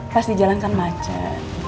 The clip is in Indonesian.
pas dijalankan macet